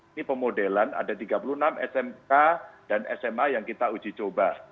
ini pemodelan ada tiga puluh enam smk dan sma yang kita uji coba